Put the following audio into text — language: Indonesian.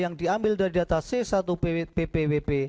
yang diambil dari data c satu ppwp